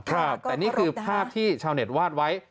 แต่นี่คือภาพที่ชาวเน็ตวาดไว้